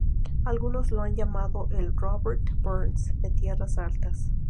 Algunos lo han llamado el "Robert Burns de tierras altas".